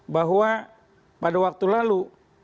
bahwa pada waktu lalu